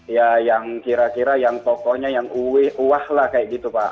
ya yang kira kira yang pokoknya yang uwah lah kayak gitu pak